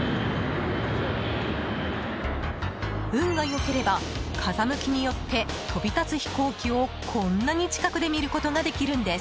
運が良ければ、風向きによって飛び立つ飛行機をこんなに近くで見ることができるんです。